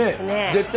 絶対。